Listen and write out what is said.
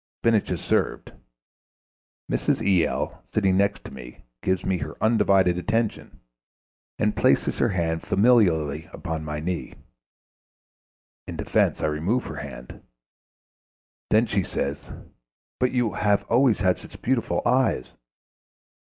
Spinach is served. Mrs. E.L., sitting next to me, gives me her undivided attention, and places her hand familiarly upon my knee. In defence I remove her hand. Then she says: 'But you have always had such beautiful eyes.'....